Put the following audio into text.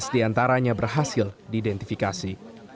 tiga belas diantaranya berhasil diidentifikasi